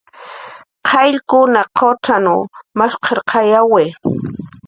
Qayllkunaq qucxanw mashqirqayawi